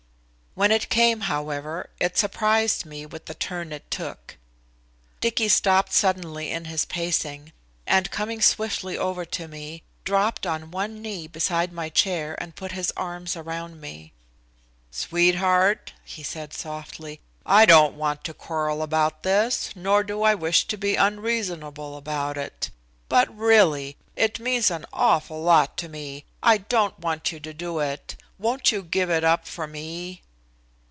When it came, however, it surprised me with the turn it took. Dicky stopped suddenly in his pacing, and coming swiftly over to me, dropped on one knee beside my chair and put his arms around me. "Sweetheart," he said softly, "I don't want to quarrel about this, nor do I wish to be unreasonable about it. But, really, it means an awful lot to me. I don't want you to do it. Won't you give it up for me?"